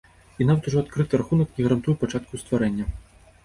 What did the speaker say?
І нават ужо адкрыты рахунак не гарантуе пачатку стварэння.